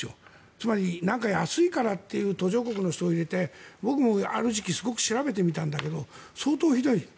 つまり、安いからという途上国の人を入れて僕もある時期すごく調べてみたんだけど相当ひどい。